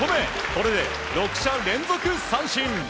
これで６者連続三振。